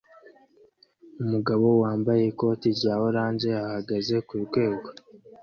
Umugabo wambaye ikoti rya orange ahagaze kurwego